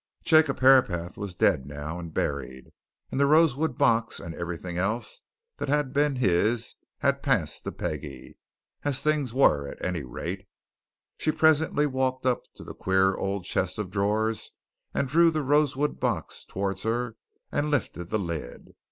Jacob Herapath was dead now, and buried, and the rosewood box and everything else that had been his had passed to Peggie as things were, at any rate. She presently walked up to the queer old chest of drawers, and drew the rosewood box towards her and lifted the lid.